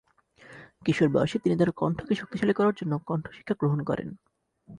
কিশোর বয়সে তিনি তার কণ্ঠকে শক্তিশালী করার জন্য কণ্ঠ শিক্ষা গ্রহণ করেন।